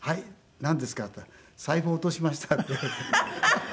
なんですか？」って言ったら「財布落としました」って言われて。